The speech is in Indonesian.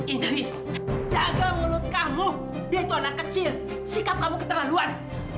ini jaga mulut kamu dia itu anak kecil sikap kamu keterlaluan